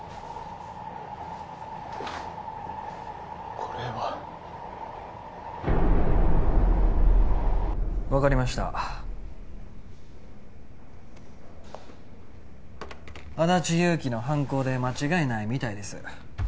これは分かりました安達祐樹の犯行で間違いないみたいです